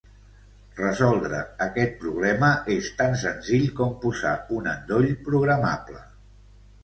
Resoldre aquest problema és tan senzill com posar un endoll programable.